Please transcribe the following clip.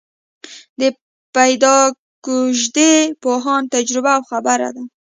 د پیداکوژۍ پوهانو تجربه او خبره ده.